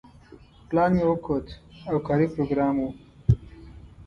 پلان مې وکوت او کاري پروګرام و.